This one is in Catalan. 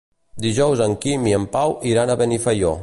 Dijous en Quim i en Pau iran a Benifaió.